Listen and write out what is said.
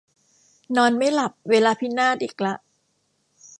นอนไม่หลับ เวลาพินาศอีกละ